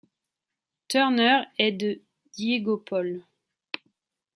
Turner et de Diego Pol.